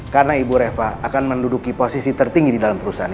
karena ibu reva akan mendudukigosisi tertinggi di dalam perusahaan ini